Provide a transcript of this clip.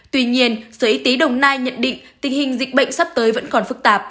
tuy nhiên sở y tế đồng nai nhận định tình hình dịch bệnh sắp tới vẫn còn phức tạp